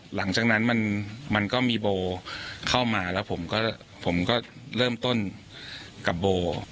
หลังจากนั้นมันก็มีโบเข้ามาแล้วผมก็เริ่มต้นกับโบ